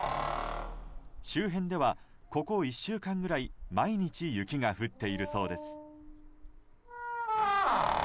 周辺では、ここ１週間くらい毎日雪が降っているそうです。